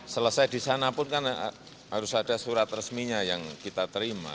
selesai di sana pun kan harus ada surat resminya yang kita terima